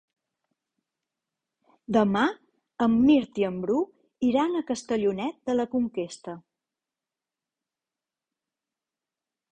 Demà en Mirt i en Bru iran a Castellonet de la Conquesta.